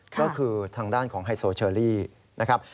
ก็คือทางด้านของไฮโซเชอรี่นะครับ